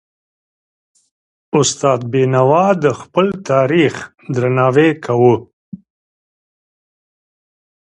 استاد بينوا د خپل تاریخ درناوی کاوه.